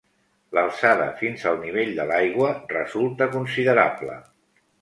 L'alçada fins al nivell de l'aigua resulta considerable.